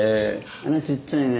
あらちっちゃいね。